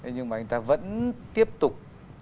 nhưng mà anh ta vẫn tiếp tục